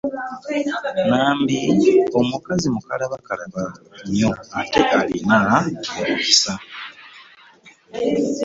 Nambi mukazi mukalabakalaba nnyo ate alina omukisa.